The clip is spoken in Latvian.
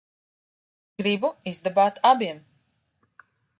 Gribu izdabāt abiem.